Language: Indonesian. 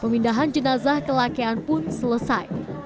pemindahan jenazah kelakean pun selesai